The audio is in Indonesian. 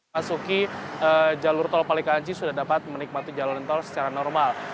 masuki jalur tol palikanci sudah dapat menikmati jalan tol secara normal